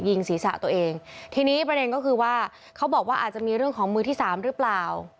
ศีรษะตัวเองทีนี้ประเด็นก็คือว่าเขาบอกว่าอาจจะมีเรื่องของมือที่สามหรือเปล่า